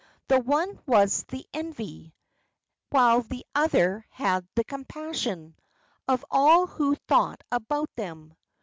The one was the envy, while the other had the compassion, of all who thought about them.